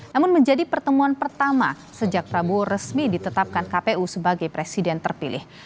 namun menjadi pertemuan pertama sejak prabowo resmi ditetapkan kpu sebagai presiden terpilih